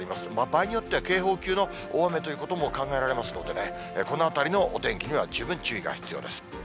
場合によっては警報級の大雨ということも考えられますのでね、このあたりのお天気には十分注意が必要です。